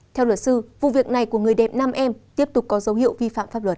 theo luật sư vụ việc này của người đẹp nam em tiếp tục có dấu hiệu vi phạm pháp luật